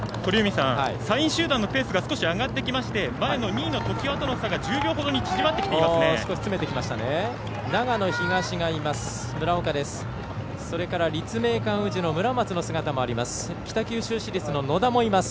３位集団のペースが上がってきまして前の２位の常磐との差が１０秒ほどに長野東がいます。